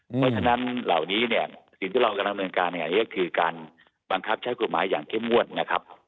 เพราะฉะนั้นเหล่านี้เนี่ยสิ่งที่เรากำลังดำเนินการเนี่ยก็คือการบังคับใช้กฎหมายอย่างเข้มงวดนะครับ